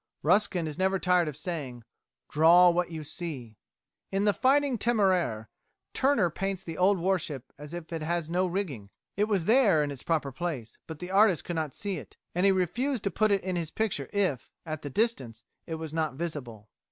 Ruskin is never tired of saying, "Draw what you see." In the "Fighting Téméraire," Turner paints the old warship as if it had no rigging. It was there in its proper place, but the artist could not see it, and he refused to put it in his picture if, at the distance, it was not visible.